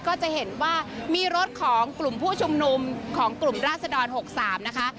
ก็จะเห็นว่ามีรถของกลุ่มผู้ชุมนุมของกลุ่มราศดร๖๓นะคะ